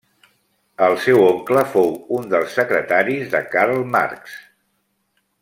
El seu oncle fou un dels secretaris de Karl Marx.